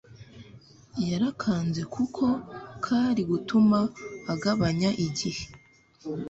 yarakanze kuko kari gutuma agabanya igihe